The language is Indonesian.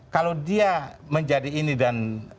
kalau dia menjadi ini dan